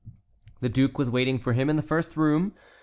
The duke was waiting for him in the first room.